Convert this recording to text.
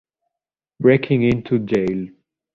Breaking Into Jail